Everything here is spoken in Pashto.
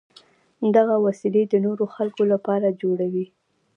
دغه وسلې د نورو خلکو لپاره جوړوي.